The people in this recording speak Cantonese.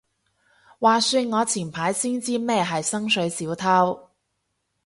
話說我前排先知咩係薪水小偷